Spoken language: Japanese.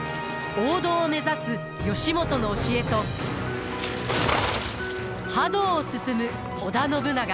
王道を目指す義元の教えと覇道を進む織田信長。